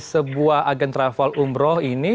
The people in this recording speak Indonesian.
sebuah agen travel umroh ini